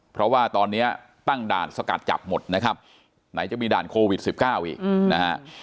เพราะว่าตอนนี้ตั้งด่านสกัดจับหมดนะครับไหนจะมีด่านโควิด๑๙อีกนะฮะ